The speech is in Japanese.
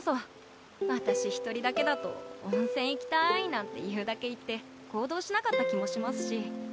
私一人だけだと「温泉行きたい」なんて言うだけ言って行動しなかった気もしますし。